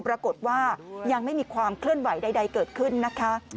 ปรากฏว่ายังไม่มีความเคลื่อนไหวใดเกิดขึ้นนะคะ